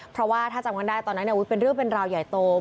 เพราะว่าถ้าจำกันได้ตอนนั้นเป็นเรื่องเป็นราวใหญ่โต